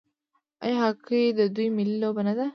آیا هاکي د دوی ملي لوبه نه ده؟